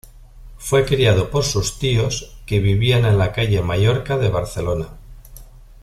Fue criado por sus tíos, que vivían en la calle Mallorca de Barcelona.